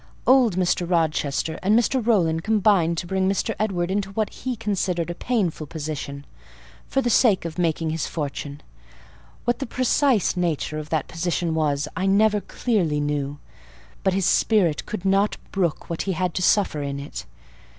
Old Mr. Rochester and Mr. Rowland combined to bring Mr. Edward into what he considered a painful position, for the sake of making his fortune: what the precise nature of that position was I never clearly knew, but his spirit could not brook what he had to suffer in it.